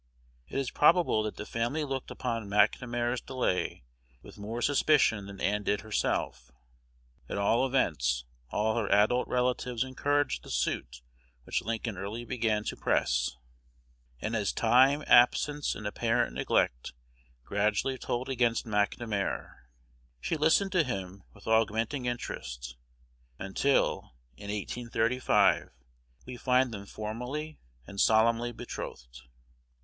It is probable that the family looked upon McNamar's delay with more suspicion than Ann did herself. At all events, all her adult relatives encouraged the suit which Lincoln early began to press; and as time, absence, and apparent neglect, gradually told against McNamar, she listened to him with augmenting interest, until, in 1835, we find them formally and solemnly betrothed.